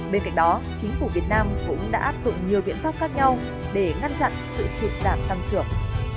bên cạnh đó chính phủ việt nam cũng đã áp dụng nhiều biện pháp khác nhau để ngăn chặn sự sụt giảm tăng trưởng